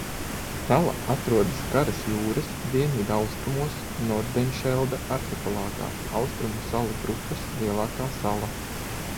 Sala atrodas Karas jūras dienvidaustrumos Nordenšelda arhipelāgā, Austrumu salu grupas lielākā sala.